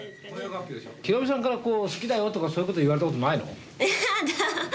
ヒロミさんから好きだよとか、そういうこと言われたことないの？やだー。